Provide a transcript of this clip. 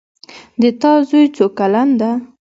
د تا زوی څو کلن ده